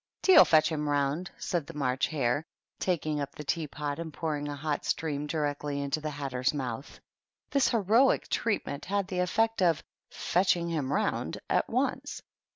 " Tea'll fetch him round !" said the March Hare, taking up the tea pot and pouring a hot stream directly into the Hatter's mouth. This heroic treatment had the effect of " fetching him round" at once.